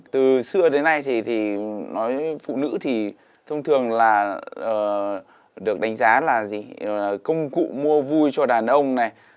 từ xưa đến nay thì nói phụ nữ thì thông thường là được đánh giá là gì công cụ mua vui cho đàn ông này